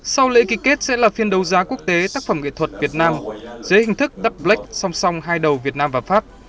sau lễ ký kết sẽ là phiên đấu giá quốc tế tác phẩm nghệ thuật việt nam dưới hình thức đắp black song song hai đầu việt nam và pháp